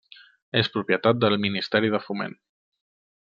És propietat del Ministeri de Foment.